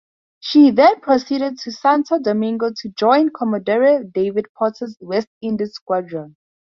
She then proceeded to Santo Domingo to join Commodore David Porter's West Indies Squadron.